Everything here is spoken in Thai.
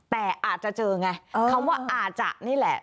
แต่อาจจะเจอไงคำว่าอาจจะนี่แหละ